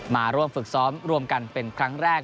มาร่วมฝึกซ้อมรวมกันเป็นครั้งแรก